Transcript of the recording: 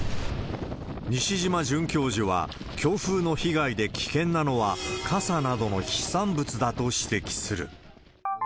西嶋准教授は、強風の被害で危険なのは、傘などの飛散物だと指摘する。